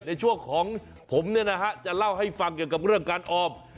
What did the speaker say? ในช่วงของผมเนี่ยนะฮะจะเล่าให้ฟังเกี่ยวกับเรื่องการออม